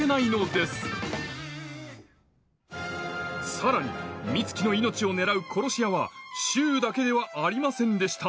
さらに美月の命を狙う殺し屋は柊だけではありませんでした。